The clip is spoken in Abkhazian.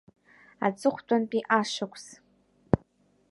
Аҵыхәтәантәи ашықәс…